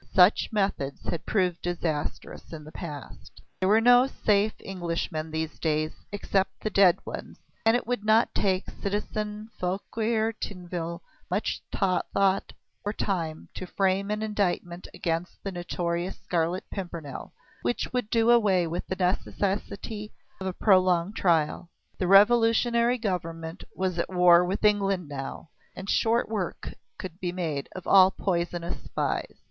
Such methods had proved disastrous in the past. There were no safe Englishmen these days, except the dead ones, and it would not take citizen Fouquier Tinville much thought or time to frame an indictment against the notorious Scarlet Pimpernel, which would do away with the necessity of a prolonged trial. The revolutionary government was at war with England now, and short work could be made of all poisonous spies.